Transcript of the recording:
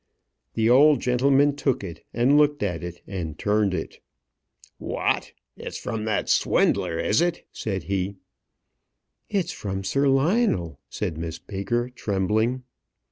The old gentleman took it, and looked at it, and turned it. "What! it's from that swindler, is it?" said he. "It's from Sir Lionel," said Miss Baker, trembling.